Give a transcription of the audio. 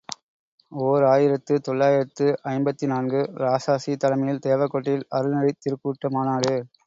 ஓர் ஆயிரத்து தொள்ளாயிரத்து ஐம்பத்து நான்கு ● இராசாசி தலைமையில் தேவகோட்டையில் அருள்நெறித் திருக்கூட்ட மாநாடு.